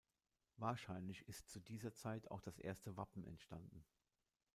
Wahrscheinlich ist zu dieser Zeit auch das erste Wappen entstanden.